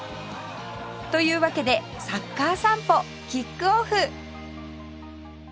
というわけでサッカー散歩キックオフ！